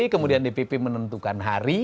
kemudian dpp menentukan hari